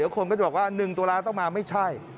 คนก็จะบอกว่า๑ตุลาต้องมาไม่ใช่